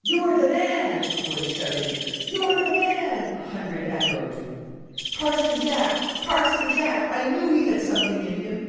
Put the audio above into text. "You're the man!" a voice shouted. "You're the man!" a hundred echoed. "Parson Jack, Parson Jack! I knew he had something in him."